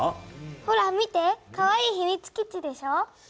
ほら見てかわいいひみつ基地でしょ。